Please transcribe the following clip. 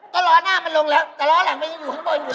ก็ล้อหน้ามันลงแล้วแต่ล้อหลังมันยังอยู่ข้างบนอยู่แล้ว